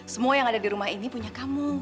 semua yang ada di rumah ini punya kamu